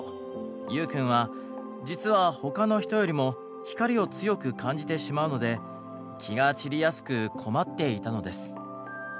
ユウくんは実は他の人よりも光を強く感じてしまうので気が散りやすく困っていたのです。